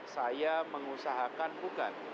saya mengusahakan bukan